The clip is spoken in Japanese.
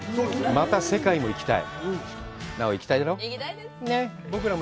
また世界も行きたい。